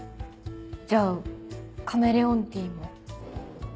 じゃあカメレオンティーも。